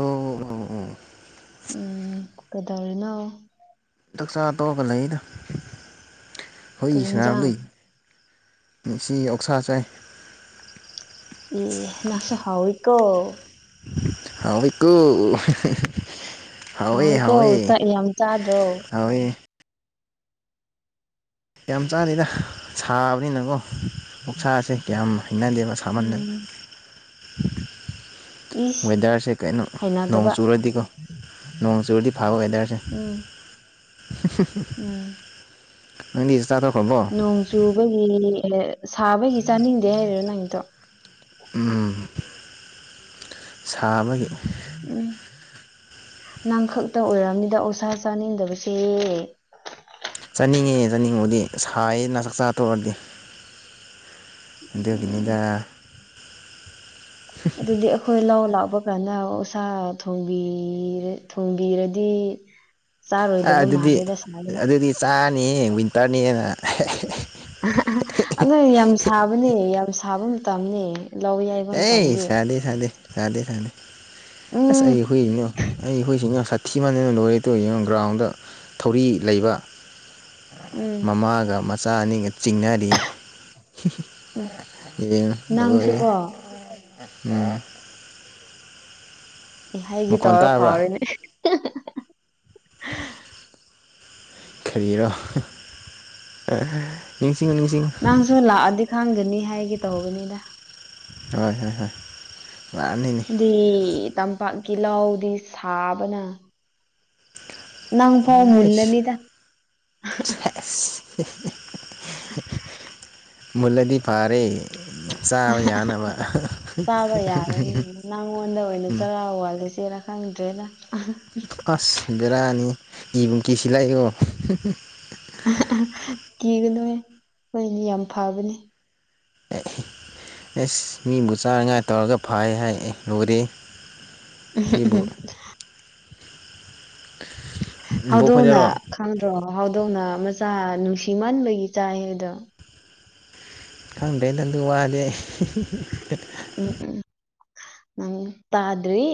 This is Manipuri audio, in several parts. ꯑꯣ ꯑꯣ ꯑꯣ ꯎꯝ ꯀꯗꯧꯔꯤꯅꯣ ꯆꯥꯛꯆꯥꯥ ꯇꯣꯛꯑꯔꯒ ꯂꯩꯗ ꯀꯔꯤ ꯍꯨꯏ ꯏꯟꯖꯥꯡ ꯁꯅꯕꯅꯤ ꯉꯁꯤ ꯑꯣꯛꯁꯥ ꯆꯥꯏ ꯑꯦ ꯅꯪꯁꯨ ꯍꯥꯎꯏꯀꯣ ꯍꯥꯎ ꯏꯀꯣ ꯍꯦ ꯍꯦ ꯍꯦ ꯍꯥꯎꯋꯦ ꯍꯥꯎꯋꯤꯀꯣ ꯍꯥꯎꯋꯦ ꯆꯥꯛ ꯌꯥꯝ ꯆꯥꯗ꯭ꯔꯣ ꯍꯥꯎꯋꯦ ꯌꯥꯝ ꯆꯥꯗꯦꯗ ꯁꯥꯕꯅꯤꯅꯀꯣ ꯑꯣꯛꯁꯥꯁꯦ ꯀꯌꯥꯝ ꯍꯩꯅꯗꯦꯕ ꯁꯥꯃꯟꯗꯅ ꯎꯝ ꯏꯁ ꯋꯦꯗꯔꯁꯦ ꯀꯩꯅꯣ ꯅꯣꯡ ꯍꯩꯅꯗꯕ ꯆꯨꯔꯗꯤꯀꯣ ꯅꯣꯡ ꯆꯨꯔꯗꯤ ꯐꯔꯣꯏꯗꯁꯤꯅꯦ [inaudible] ꯎꯝ ꯅꯪꯗꯤ ꯆꯥꯊꯣꯛꯈ꯭ꯔꯕꯣ ꯅꯣꯡ ꯆꯨꯕꯒꯤ ꯁꯥꯕꯒꯤ ꯆꯥꯅꯤꯡꯗꯦ ꯍꯥꯏꯔꯤꯔꯣ ꯅꯪꯗꯣ ꯎꯝ ꯁꯥꯕꯒꯤ ꯅꯪꯈꯛꯇ ꯑꯣꯏꯔꯝꯗꯧ ꯑꯣꯛꯁꯥ ꯆꯥꯅꯤꯡꯗꯕꯁꯦ ꯆꯥꯅꯤꯡꯉꯦ ꯆꯥꯅꯤꯡꯕꯗꯤ ꯁꯥꯏꯌꯦꯅ ꯆꯥꯛꯆꯥꯥ ꯇꯣꯛꯔꯗꯤ ꯎꯝ ꯑꯗꯨꯒꯤꯅꯤꯗ ꯑꯗꯨꯗꯤ ꯑꯩꯈꯣꯏ ꯂꯥꯎ ꯂꯥꯛꯄ ꯀꯥꯟꯗ ꯑꯣꯛꯁꯥ ꯊꯣꯡꯕꯤꯔ ꯊꯣꯡꯕꯤꯔꯗꯤ ꯆꯥꯔꯣꯏꯗꯕ ꯑꯗꯨꯗꯤ ꯃꯥꯜꯂꯦꯗ ꯁꯨꯃꯥꯏꯅ ꯑꯗꯨꯗꯤ ꯆꯥꯅꯤ ꯋꯤꯟꯇꯔꯅꯤꯅ ꯑꯗꯨ ꯌꯥꯝ ꯁꯥꯕꯅꯦ ꯌꯥꯝ ꯁꯥꯕ ꯃꯇꯝꯅꯤ ꯑꯦ ꯁꯥꯗꯦ ꯁꯥꯗꯦ ꯁꯥꯗꯦ ꯁꯥꯗꯦ ꯑꯁ ꯎꯝ ꯑꯩ ꯍꯨꯢ ꯑꯩ ꯍꯨꯏꯁꯤ ꯊꯤꯃꯟꯗꯅ ꯂꯣꯏꯔꯦ ꯇꯨ ꯌꯦꯡꯉꯣ ꯒ꯭ꯔꯥꯎꯟꯗ ꯊꯧꯔꯤ ꯂꯩꯕ ꯎꯝ ꯃꯃꯥꯒ ꯃꯆꯥ ꯑꯅꯤꯒ ꯆꯤꯡꯅꯔꯤ ꯍꯨ ꯎꯝ ꯍꯨ ꯌꯦꯡꯂꯣ ꯅꯪꯁꯨꯀꯣ ꯑꯣ ꯑꯩ ꯍꯥꯢꯒꯦ ꯇꯧꯔꯒ ꯇꯥꯕ꯭ꯔꯥ ꯀꯥꯎꯔꯅꯦ ꯀꯔꯤꯔꯣ ꯅꯤꯡꯁꯤꯡꯉꯨ ꯅꯤꯡꯁꯤꯡꯉꯨ ꯅꯪꯁꯨ ꯂꯥꯛꯑꯗꯤ ꯈꯪꯒꯅꯤ ꯍꯥꯏꯒꯦ ꯇꯧꯕꯅꯤꯗ ꯍꯣꯏ ꯍꯣꯏ ꯍꯣꯏ ꯃꯥꯅꯤꯅꯦ ꯍꯥꯏꯗꯤ ꯇꯝꯄꯥꯛ ꯀꯤ ꯂꯧꯗꯤ ꯁꯥꯕꯅ ꯅꯪ ꯐꯥꯎ ꯑꯩꯁ ꯃꯨꯜꯂꯅꯤꯗ ꯁꯦꯁ ꯃꯨꯜꯂꯗꯤ ꯐꯥꯔꯦ ꯆꯥꯕ ꯌꯥꯅꯕ ꯆꯥꯕ ꯌꯥꯔꯅꯤ ꯎꯝ ꯅ ꯈꯪ ꯑꯁ ꯕꯦꯔꯥꯅꯤ ꯀꯤꯕꯨ ꯀꯦꯁꯤꯜꯂꯛꯑꯦꯀꯣ ꯀꯤꯒꯅꯣꯍꯦ ꯈꯣꯏꯗꯤ ꯌꯥꯝ ꯐꯕꯅꯦ ꯑꯦ ꯑꯦꯁ ꯃꯤꯕꯨ ꯆꯥꯅꯉꯥꯏ ꯇꯧꯔꯒ ꯐꯩ ꯍꯥꯏ ꯂꯣꯏꯔꯦ ꯎꯝ ꯎꯝ ꯅꯕꯣꯛ ꯍꯧꯗꯣꯡꯅ ꯈꯣꯏꯗꯔꯣ ꯈꯪꯗ꯭ꯔꯣ ꯍꯧ ꯍꯧꯗꯣꯡꯅ ꯃꯆꯥ ꯅꯨꯡꯁꯤꯃꯟꯕꯒꯤ ꯆꯥꯏ ꯑꯗꯣ ꯈꯪꯗꯦ ꯂꯪꯗ ꯋꯥꯗꯦ ꯎꯝ ꯎꯝ ꯎ ꯇꯥꯗ꯭ꯔꯤ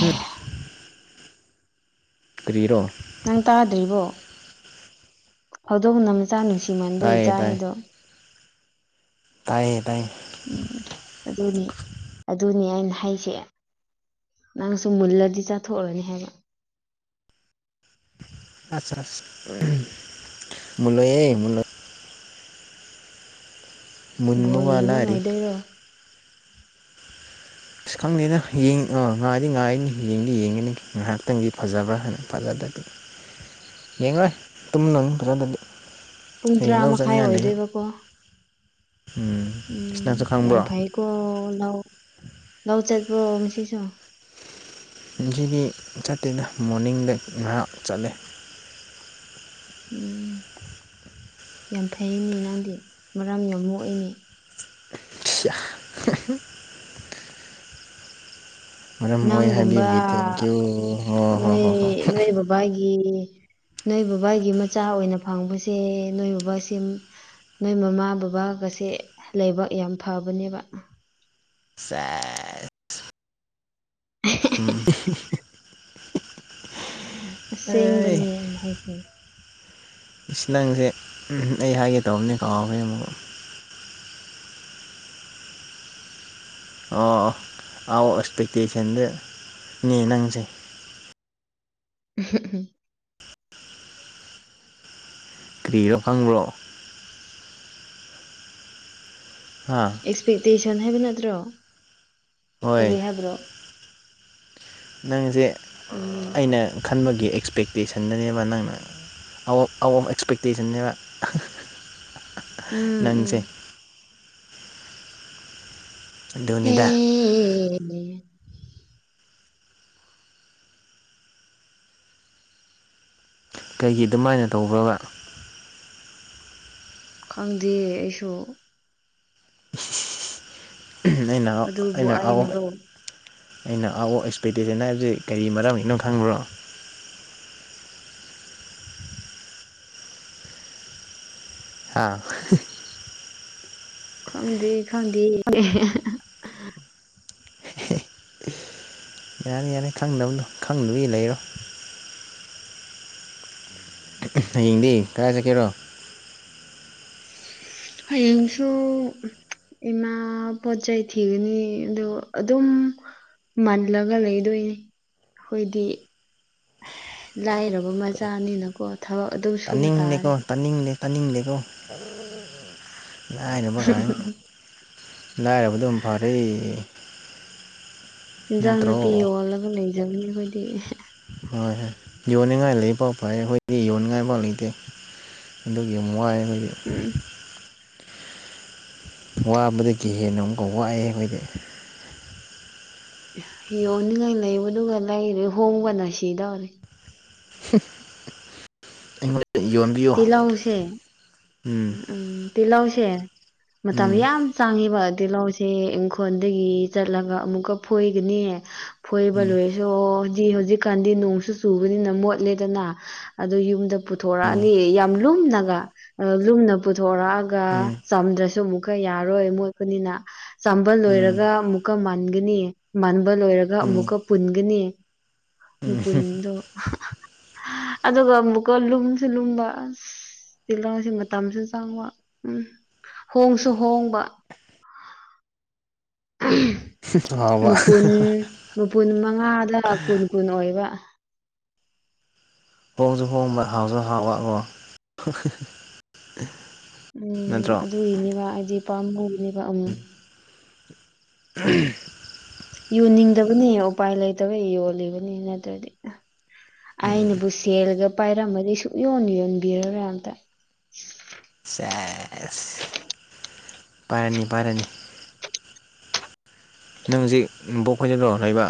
ꯎꯝ ꯀꯔꯤꯔꯣ ꯅꯪ ꯇꯥꯗ꯭ꯔꯤꯕꯣ ꯑꯗꯨꯝ ꯆꯥ ꯅꯨꯡꯁꯤꯃꯟꯕꯩ ꯇꯥꯏꯌꯦ ꯏꯆꯥ ꯍꯥꯏꯗꯣ ꯇꯥꯏ ꯇꯥꯏꯌꯦ ꯎꯝ ꯑꯗꯨꯅꯤ ꯑꯗꯨꯅꯦ ꯑꯩꯅ ꯍꯥꯏꯁꯦ ꯅꯪꯁꯨ ꯃꯨꯜꯂꯗꯤ ꯆꯥꯊꯣꯛꯎꯔꯅꯤ ꯍꯥꯏꯕ ꯑꯆꯥ ꯑꯁ ꯃꯨꯜꯂꯣꯏꯌꯦ ꯃꯨꯜꯂꯣꯏ ꯃꯨꯟꯕ ꯕꯣꯜ ꯋꯥ ꯌꯦꯡꯕ ꯂꯥꯏꯔꯤ ꯉꯥꯏꯗꯣꯏꯔꯣ ꯑꯁ ꯈꯪꯗꯦꯗ ꯉꯥꯏꯗꯤ ꯉꯥꯏꯅꯤ ꯌꯦꯡꯗꯤ ꯌꯦꯡꯉꯤꯅꯤ ꯉꯥꯏꯍꯥꯛꯇꯪꯗꯤ ꯐꯖꯕ꯭ꯔꯥ ꯍꯥꯏꯅ ꯐꯖ ꯌꯦꯡꯉꯣꯏ ꯇꯨꯝꯅꯕ ꯐꯖꯗ꯭ꯔꯗꯤ ꯄꯨꯡ ꯍꯌꯦꯡ ꯇꯔꯥ ꯂꯧ ꯃꯈꯥꯏ ꯆꯠꯅꯤꯡꯉꯥꯏ ꯂꯩꯕ ꯑꯣꯏꯗꯣꯏꯕꯀꯣ ꯎꯝ ꯏꯁ ꯎꯝ ꯅꯪꯁꯨ ꯌꯥꯝ ꯈꯪꯕ꯭ꯔꯣ ꯐꯩꯀꯣ ꯂꯧ ꯂꯧꯆꯠꯄ꯭ꯔꯣ ꯉꯁꯤꯁꯨ ꯉꯁꯤꯗꯤ ꯆꯇꯦꯗ ꯃꯣꯔꯅꯤꯡꯗ ꯉꯍꯛ ꯆꯠꯂꯦ ꯎꯝ ꯌꯥꯝ ꯐꯩꯅꯦ ꯅꯪꯗꯤ ꯃꯔꯥꯝ ꯌꯥꯝ ꯃꯣꯛꯏꯅꯦ ꯁꯤꯌꯥ ꯃꯔꯝ ꯑꯣꯏ ꯅꯪꯒꯨꯝꯕ ꯍꯥꯏꯕꯤꯕꯒꯤ ꯊꯦꯡꯀ꯭ꯌꯨ ꯍꯣ ꯍꯣ ꯅꯣꯏ ꯍꯣ ꯍꯣ ꯅꯣꯏ ꯕꯕꯥꯒꯤ ꯅꯣꯏ ꯕꯕꯥꯒꯤ ꯃꯆꯥ ꯑꯣꯏꯅ ꯐꯪꯕꯁꯦ ꯅꯣꯏ ꯕꯕꯥꯁꯦ ꯅꯣꯏ ꯃꯃꯥ ꯕꯕꯥꯒꯁꯦ ꯂꯩꯥꯏꯕꯛ ꯌꯥꯝ ꯐꯕꯅꯦꯕ ꯁꯦꯁ ꯎꯝ ꯑꯩ ꯑꯁꯦꯡꯕꯅꯦ ꯍꯥꯏꯁ ꯏꯁ ꯅꯪꯁꯦ ꯑꯩ ꯍꯥꯏꯒꯦ ꯇꯧꯕꯅꯦ ꯀꯥꯎꯅꯤ ꯑꯃꯨꯛ ꯑꯣ ꯑꯥꯎ ꯑꯦꯛꯁꯄꯦꯛꯇꯦꯁꯟꯅꯦ ꯅꯪꯁꯦ ꯍꯨ ꯍꯨ ꯀꯔꯤꯔꯣ ꯈꯥꯪꯕꯣ ꯍꯥ ꯑꯦꯛꯁꯄꯦꯛꯇꯦꯁꯟ ꯍꯥꯏꯕ ꯅꯠꯇ꯭ꯔꯣ ꯀꯔꯤ ꯍꯣꯏ ꯍꯥꯏꯕ꯭ꯔꯣ ꯅꯪꯁꯦ ꯈꯪꯉꯤ ꯑꯩꯅ ꯈꯟꯕꯒꯤ ꯑꯦꯛꯁꯄꯦꯛꯇꯦꯁꯟꯗꯅꯦꯕ ꯅꯪꯅ ꯑꯥꯎ ꯑꯥꯎ ꯑꯦꯛꯁꯄꯦꯛꯇꯦꯁꯟꯅꯦꯕ ꯍꯥ ꯍꯥ ꯎꯝ ꯎꯝ ꯅꯪꯁꯦ ꯗꯨꯅꯤꯗ ꯑꯦ ꯀꯩꯒꯤ ꯑꯗꯨꯃꯥꯏꯅ ꯇꯧꯕ꯭ꯔꯣꯕ ꯈꯪꯗꯦ ꯑꯩꯁꯨ ꯑꯩꯅ ꯑꯗꯨꯕꯨ ꯑꯩꯅ ꯑꯎ ꯑꯩꯅꯔꯣ ꯑꯩꯅ ꯑꯥꯎ ꯑꯦꯛꯁꯄꯦꯛꯇꯦꯁꯟ ꯍꯥꯏꯕꯁꯤ ꯀꯔꯤ ꯃꯔꯝꯒꯤꯅꯣ ꯈꯪꯕ꯭ꯔꯣ ꯍꯥ ꯈꯪꯗꯦ ꯈꯪꯗꯦ ꯌꯥꯅꯤ ꯌꯥꯅꯤ ꯈꯪꯗꯅ ꯈꯪꯗꯕꯤ ꯂꯩꯔꯣ ꯍꯌꯦꯡꯗꯤ ꯀꯗꯥꯥꯏ ꯆꯠꯀꯦꯔꯣ ꯍꯌꯦꯡꯁꯨ ꯏꯃ ꯄꯣꯠꯆꯩ ꯊꯤꯒꯅꯤ ꯑꯗꯨ ꯑꯗꯨꯝ ꯃꯜꯂꯒ ꯂꯩꯗꯣꯏꯅꯤ ꯑꯩꯈꯣꯏꯗꯤ ꯂꯥꯏꯔꯕ ꯃꯆꯅꯤꯅ ꯀꯣ ꯇꯥꯅꯤꯡꯂꯦꯀꯣ ꯇꯥꯅꯤꯡꯂꯦ ꯇꯥꯅꯤꯡꯂꯦꯀꯣ ꯂꯥꯏꯔꯕ ꯀꯥꯏꯅ ꯂꯥꯏꯔꯕꯗꯨꯝ ꯐꯔꯦ ꯏꯟꯁꯥꯡ ꯅꯠꯇ꯭ꯔꯣ ꯅꯥꯄꯤ ꯍꯣꯏ ꯌꯣꯜꯂꯒ ꯂꯩꯖꯕꯅꯦ ꯑꯩꯈꯣꯏꯗꯤ ꯍꯣꯏ ꯍꯣꯏ ꯌꯣꯅꯤꯡꯉꯥꯏ ꯄꯥꯎ ꯐꯥꯏ ꯑꯩꯈꯣꯏꯗꯤ ꯌꯣꯟꯉꯥꯏ ꯄꯥꯎ ꯂꯩꯇꯦ ꯑꯗꯨꯒꯤ ꯌꯥꯝ ꯋꯥꯑꯦ ꯑꯩꯈꯣꯏꯗꯤ ꯎꯝ ꯋꯥꯕꯗꯒꯤ ꯍꯦꯟꯅ ꯑꯃꯨꯛꯀ ꯋꯥꯏ ꯍꯥꯏꯗꯥꯏ ꯌꯣꯟꯅꯤꯡꯉꯥꯏ ꯂꯩꯕꯗꯨ ꯂꯩꯔꯦ ꯍꯣꯡꯕꯅ ꯁꯤꯗꯧꯔꯦ ꯍꯨ ꯍꯨ ꯑꯩ ꯇꯤꯂꯥꯎꯁꯦ ꯎꯝ ꯇꯤꯂꯥꯎꯁꯦ ꯃꯇꯝ ꯎꯝ ꯌꯥꯝ ꯄꯡꯉꯦꯕ ꯇꯤꯜꯍꯧꯁꯦ ꯏꯪꯈꯣꯜꯗꯒꯤ ꯆꯠꯂꯒ ꯑꯃꯨꯛꯀ ꯐꯣꯏꯒꯅꯤ ꯐꯣꯏꯕ ꯎꯝ ꯂꯣꯏꯁꯣꯟ ꯗꯤ ꯍꯧꯖꯤꯛꯀꯥꯟꯗꯤ ꯅꯣꯡꯁꯨ ꯆꯨꯕꯅꯤꯅ ꯃꯣꯠꯂꯦꯗꯅ ꯑꯗꯣ ꯌꯨꯝꯗ ꯄꯨꯊꯣꯔꯛꯑꯅꯤ ꯌꯥꯝ ꯂꯨꯝ ꯂꯨꯝꯅꯒ ꯂꯨꯝꯅ ꯄꯨꯊꯣꯔꯛꯑꯒ ꯎꯝ ꯆꯥꯝꯗ꯭ꯔꯁꯨ ꯑꯃꯨꯛꯀ ꯌꯥꯔꯣꯏ ꯃꯣꯠꯄꯅꯤꯅ ꯆꯥꯝꯕ ꯎꯝ ꯂꯣꯏꯔꯒ ꯑꯃꯨꯛꯀ ꯃꯟꯒꯅꯤ ꯃꯟꯕ ꯂꯣꯏꯔꯒ ꯎꯝ ꯎꯝ ꯑꯃꯨꯛꯀ ꯄꯨꯟꯒꯅꯤ ꯃꯄꯨꯟꯗꯣ ꯑꯍꯥ ꯑꯍꯥ ꯑꯗꯨꯒ ꯑꯃꯨꯛꯀ ꯂꯨꯝꯁꯨ ꯂꯨꯝꯕ ꯇꯤꯜꯂꯧ ꯃꯇꯝꯁꯨ ꯆꯪꯕ ꯎꯝ ꯍꯣꯡꯁꯨ ꯍꯣꯡꯕ ꯎꯝ ꯍꯥꯎꯕ ꯃꯄꯨꯟ ꯃꯄꯨꯟ ꯃꯉꯥꯗ ꯀꯨꯟ ꯀꯨꯟ ꯑꯣꯏꯕ ꯍꯣꯡꯁꯨ ꯍꯣꯡꯕ ꯍꯥꯎꯁꯨ ꯍꯥꯎꯕꯀꯣ ꯎꯝ ꯅꯠꯇ꯭ꯔꯣ ꯑꯗꯨꯒꯤꯅꯦꯕ ꯍꯥꯏꯗꯤ ꯄꯥꯝꯃꯨꯔꯦꯕ ꯑꯃꯨꯛ ꯑꯥꯍꯝ ꯌꯨꯅꯤꯡꯗꯕꯅꯤ ꯎꯄꯥꯏ ꯂꯩꯇꯕꯩ ꯌꯣꯜꯂꯤꯕꯅꯤ ꯅꯠꯇ꯭ꯔꯗꯤ ꯑꯩꯅꯕꯨ ꯁꯦꯜꯒ ꯄꯥꯏꯔꯝꯃꯗꯤ ꯁꯨꯛꯌꯣꯟ ꯌꯣꯟꯕꯤꯔꯔꯣꯏ ꯑꯝꯇ ꯁꯦꯁ ꯄꯥꯏꯔꯅꯤ ꯄꯥꯏꯔꯅꯤ ꯅꯪ ꯍꯧꯖꯤꯛ ꯕꯨꯕꯣꯛꯈꯣꯏꯗꯣꯔꯣ ꯂꯩꯕ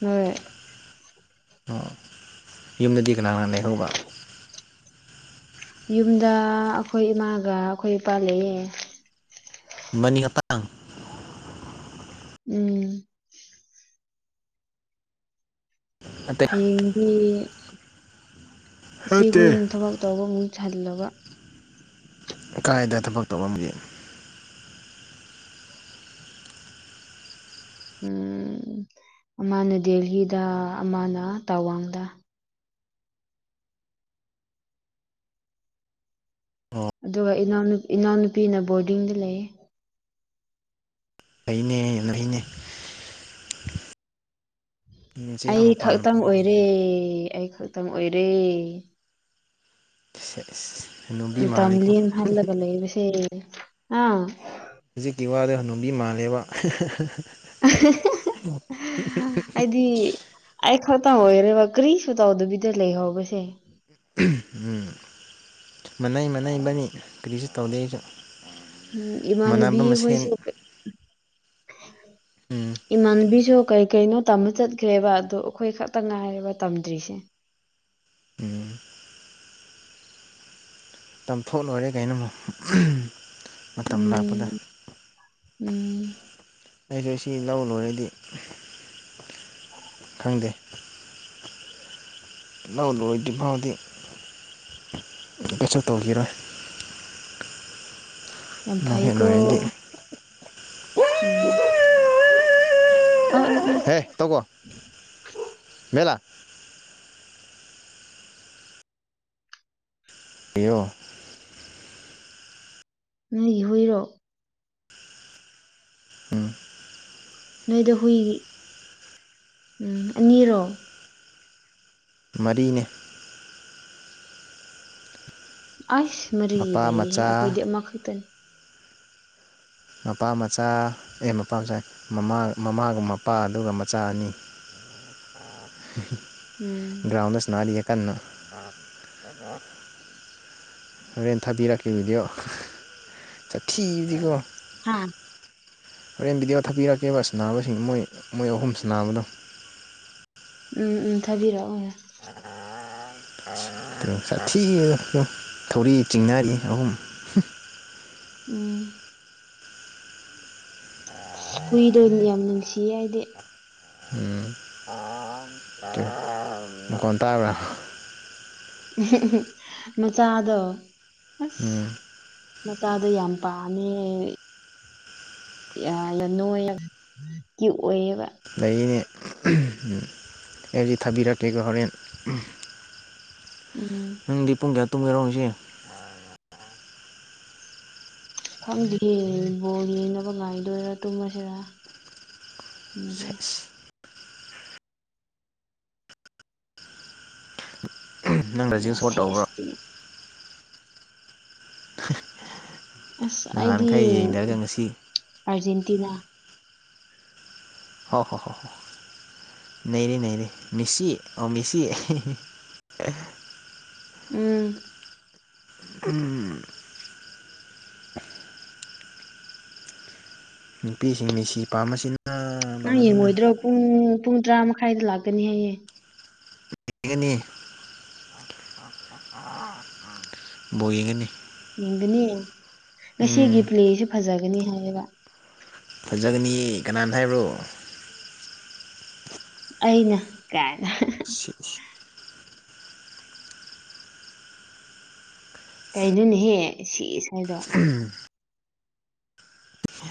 ꯍꯣꯏ ꯑꯣ ꯌꯨꯝꯗꯗꯤ ꯀꯅꯥ ꯀꯅꯥ ꯂꯩꯍꯧꯕ ꯌꯨꯝꯗ ꯑꯩꯈꯣꯏ ꯏꯃꯥꯒ ꯑꯩꯈꯣꯏ ꯏꯄꯥ ꯂꯩꯑꯦ ꯃꯅꯤ ꯑ ꯄꯠꯂ ꯎꯝ ꯅꯠꯇꯦ ꯍꯌꯦꯡꯗꯤ ꯅꯠꯇꯦ ꯏꯆꯦꯍꯣꯏꯅ ꯊꯕꯛ ꯇꯧꯕ ꯑꯃꯨꯛ ꯁꯜꯂꯕ ꯀꯥꯏꯗ ꯊꯕꯛ ꯇꯧꯔꯝꯒꯦ ꯎꯝ ꯑꯃꯅ ꯗꯦꯂꯤꯗ ꯑꯃꯅ ꯇꯋꯥꯡꯗ ꯑꯣ ꯑꯗꯨꯒ ꯏꯅꯥꯎꯅꯨ ꯏꯅꯥꯎꯅꯨꯄꯤꯅ ꯕꯣꯔꯗꯤꯡꯗ ꯂꯩꯌꯦ ꯐꯩꯅꯦ ꯅꯣꯏ ꯅꯆꯦ ꯑꯩ ꯌꯥꯝꯅ ꯄꯥꯝꯅ ꯈꯛꯇꯪ ꯑꯣꯏꯔꯦ ꯑꯩ ꯈꯛꯇꯪ ꯑꯣꯏꯔꯦ ꯁꯦꯁ ꯍꯅꯨꯕꯤ ꯃꯥꯜꯂꯦꯀꯣ ꯇꯝꯂꯤꯌꯦ ꯈꯜꯂ ꯂꯩꯕꯁꯦ ꯍꯥ ꯍꯧꯖꯤꯛꯀꯤ ꯋꯥꯗꯣ ꯍꯅꯨꯕꯤ ꯃꯥꯜꯂꯦꯕ ꯑꯩꯗꯤ ꯑꯩ ꯈꯛꯇ ꯑꯣꯏ ꯑꯗꯨꯒ ꯀꯔꯤꯁꯨ ꯇꯧꯗꯕꯤꯗ ꯂꯩꯍꯧꯕꯁꯦ ꯎꯝ ꯃꯟꯅꯩ ꯃꯟꯅꯩ ꯏꯕꯥꯏꯅꯤ ꯀꯔꯤꯁꯨ ꯇꯧꯗꯦ ꯑꯩꯁꯨ ꯎꯝ ꯏꯃꯥꯟꯅꯕꯤ ꯃꯥꯟꯅꯕ ꯍꯣꯏꯁꯨ ꯃꯁꯦꯟ ꯀꯩ ꯎꯝ ꯏꯃꯥꯟꯅꯕꯤꯖꯨ ꯀꯩ ꯀꯩꯅꯣ ꯇꯝꯕ ꯆꯠꯈ꯭ꯔꯦꯕ ꯑꯗꯣ ꯑꯩꯈꯣꯏ ꯈꯛꯇꯪ ꯉꯥꯏꯔꯦꯕ ꯇꯝꯗ꯭ꯔꯤꯁꯦ ꯎꯝ ꯇꯝꯊꯣꯛ ꯂꯣꯏꯔꯦ ꯀꯩꯅꯣ ꯑꯃꯨꯛ ꯎꯝ ꯎꯝ ꯎꯝ ꯑꯩꯁꯨ ꯁꯤ ꯂꯧ ꯂꯣꯏꯔꯗꯤ ꯈꯪꯗꯦ ꯂꯧ ꯂꯣꯏꯗ꯭ꯔꯤ ꯐꯥꯎꯗꯤ ꯀꯩꯁꯨ ꯇꯧꯒꯤ ꯔꯣꯏ ꯌꯥꯝ ꯐꯩꯑꯦꯀꯣ ꯂꯣꯏꯔꯗꯤ ꯎꯝ ꯑꯥ ꯑꯥ ꯎꯝ ꯍꯦ ꯇꯩꯒꯣ ꯃꯦꯂꯥ ꯀꯩꯅꯣ ꯅꯣꯏꯒꯤ ꯍꯨꯏꯔꯣ ꯎꯝ ꯅꯣꯏꯗ ꯍꯨꯏ ꯎꯝ ꯑꯅꯤꯔꯣ ꯃꯔꯤꯅꯦ ꯑꯩꯁ ꯃꯔꯤ ꯃꯄꯥ ꯂꯩꯍꯦ ꯃꯆꯥ ꯑꯩꯈꯣꯏꯗꯤ ꯑꯃꯈꯛꯇꯅꯤ ꯃꯄꯥ ꯃꯆꯥ ꯑꯦ ꯃꯄꯥ ꯃꯆꯥ ꯃꯃꯥ ꯃꯃꯥꯒꯨꯝ ꯃꯄꯥ ꯑꯗꯨꯒ ꯃꯆꯥ ꯑꯅꯤ [inaudible] ꯎꯝ ꯒ꯭ꯔꯥꯎꯟꯗ ꯁꯅꯥꯔꯤꯌꯦ ꯀꯟꯅ ꯍꯣꯔꯦꯟ ꯊꯥꯕꯤꯔꯛꯀꯦ ꯕꯤꯗꯤꯑꯣ ꯆꯠꯊꯤꯖꯤꯀꯣ ꯍꯥꯥ ꯍꯣꯔꯦꯟ ꯚꯤꯗꯤꯑꯣ ꯊꯛꯄꯤꯔꯛꯀꯦꯕ ꯁꯅꯥꯕꯁꯤꯡ ꯃꯣꯏ ꯃꯣꯏ ꯑꯍꯨꯝ ꯁꯅꯥꯕꯗꯣ ꯎꯝ ꯎꯝ ꯊꯥꯕꯤꯔꯛꯑꯣ ꯁꯥꯊꯤꯌꯦ ꯊꯧꯔꯤ ꯆꯤꯡꯅꯔꯤ ꯑꯍꯨꯝ ꯍꯨꯝ ꯎꯝ ꯍꯨꯏꯗꯣ ꯌꯥꯝ ꯅꯨꯡꯁꯤꯌꯦ ꯑꯩꯗꯤ ꯎꯝ ꯃꯀꯣꯟ ꯇꯥꯕ꯭ꯔ ꯑꯍꯨ ꯍꯨ ꯃꯆꯥꯗꯣ ꯑꯁ ꯎꯝ ꯃꯆꯥꯗꯣ ꯌꯥꯝ ꯄꯥꯝꯃꯦ ꯌꯥꯅ ꯅꯣꯏꯌ ꯀ꯭ꯌꯨ ꯑꯣꯏꯌꯦꯕ ꯂꯩꯅꯦ ꯑꯩꯗꯤ ꯊꯥꯕꯤꯔꯛꯀꯦꯒ ꯍꯣꯔꯦꯟ ꯎꯝ ꯅꯪꯗꯤ ꯄꯨꯡ ꯀ꯭ꯌꯥ ꯇꯨꯝꯒꯦꯔꯣ ꯍꯧꯖꯤꯛ ꯈꯪꯗꯤꯌꯦ ꯕꯣꯜ ꯌꯦꯡꯅꯕ ꯉꯥꯏꯗꯣꯏꯔꯥ ꯇꯨꯝꯃꯁꯤꯔ ꯅꯪꯗꯤ ꯁꯦꯁ ꯅꯪ ꯀꯩꯅꯣ ꯗꯥꯏꯖꯤꯡ ꯁꯣꯠ ꯇꯧꯕ꯭ꯔꯣ ꯁꯦꯁꯇꯤ ꯑꯁ ꯑꯩꯗꯤ ꯅꯍꯥꯟꯈꯩ ꯌꯦꯡꯗꯔꯒ ꯉꯁꯤ ꯑꯔꯖꯦꯟꯇꯤꯅꯥ ꯍꯣ ꯍꯣ ꯍꯣ ꯅꯩꯔꯦ ꯅꯩꯔꯦ ꯃꯦꯁꯤ ꯍꯣ ꯃꯦꯁꯤ ꯍꯦ-ꯍꯦ ꯎꯝ ꯅꯨꯄꯤꯁꯤꯡ ꯃꯦꯁꯤ ꯄꯥꯝꯕꯁꯤꯅ ꯅꯪ ꯄꯥꯝꯕꯁꯤꯅ ꯌꯦꯡꯉꯣꯏꯗ꯭ꯔꯣ ꯄꯨꯡ ꯄꯨꯡ ꯇꯔꯥ ꯃꯈꯥꯏꯗ ꯂꯥꯛꯀꯅꯤ ꯍꯥꯏꯌꯦ ꯌꯦꯡꯒꯅꯤ ꯕꯣ ꯌꯦꯡꯒꯅꯤ ꯌꯦꯡꯒꯅꯤ ꯉꯁꯤꯒꯤ ꯎꯝ ꯄ꯭ꯂꯦꯁꯨ ꯐꯖꯒꯅꯤ ꯍꯥꯏꯔꯒꯥ ꯐꯖꯒꯅꯤ ꯀꯅꯥꯅ ꯍꯥꯏꯕ꯭ꯔꯣ ꯑꯩꯅ ꯀꯥꯏꯅ ꯍꯥ ꯍꯥ ꯀꯩꯅꯣꯅꯦꯍꯦ ꯁꯤ ꯍꯥꯏꯗꯣ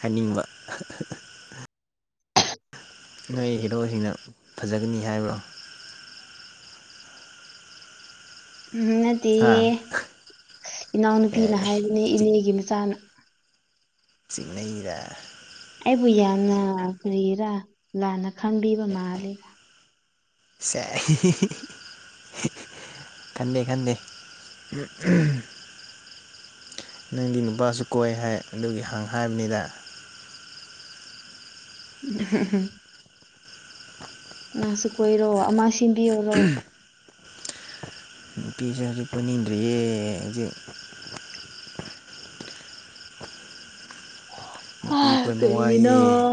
ꯍꯥꯏꯅꯤꯡꯕ ꯍꯥ ꯍꯥ ꯅꯣꯏ ꯍꯤꯔꯣꯖꯤꯅ ꯐꯖꯒꯅꯤ ꯍꯥꯏꯕ꯭ꯔꯣ ꯎꯝ ꯍꯥ ꯅꯠꯇꯦꯌꯦ ꯏꯅꯥꯎꯅꯨꯄꯤꯅ ꯑꯦ ꯍꯥꯏꯕꯅꯦ ꯆꯤꯡ ꯏꯅꯦꯒꯤ ꯃꯆꯥꯅ ꯆꯤꯡꯅꯩꯗ ꯑꯩꯕꯨ ꯌꯥꯝꯅ ꯀ꯭ꯔꯤꯔꯥ ꯂꯥꯟꯅ ꯈꯪꯕꯤꯕ ꯃꯥꯂꯦ ꯁꯦ ꯍꯤ ꯍꯤ ꯈꯟꯗꯦ ꯈꯟꯗꯦ ꯅꯪꯗꯤ ꯅꯨꯄꯥꯁꯨ ꯀꯣꯏ ꯍꯥꯏ ꯑꯗꯨꯒꯤ ꯍꯪ ꯍꯥꯏꯕꯅꯤꯗ ꯑꯍꯨ ꯍꯨ ꯉꯪꯁꯨ ꯀꯣꯏꯔꯣ ꯑꯃ ꯁꯤꯟꯕꯤꯌꯣꯔꯣ ꯅꯨꯄꯤꯖꯦ ꯄꯨꯟꯅꯤꯡꯗꯔ꯭ꯦ ꯑꯩꯖꯨ ꯍ ꯅꯨꯄꯤ ꯀꯣꯏꯕ ꯀꯔꯤꯅꯣ ꯋꯥꯏꯌꯦ